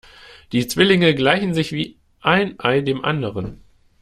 Die Zwillinge gleichen sich wie ein Ei dem anderen.